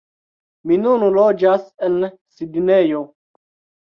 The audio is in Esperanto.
Mi nun loĝas en Sidnejo